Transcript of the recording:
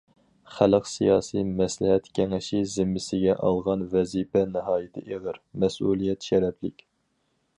خەلق سىياسىي مەسلىھەت كېڭىشى زىممىسىگە ئالغان ۋەزىپە ناھايىتى ئېغىر، مەسئۇلىيەت شەرەپلىك.